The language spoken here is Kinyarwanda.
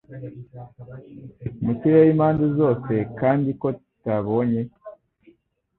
mu kirere impande zose kandi ko tutabonye